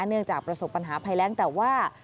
เนื่องจากประสบปัญหาภัยแรงแต่ว่า